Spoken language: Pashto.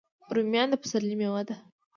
رومیان د پسرلي میوه ده